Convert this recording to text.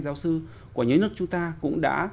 giáo sư của những nước chúng ta cũng đã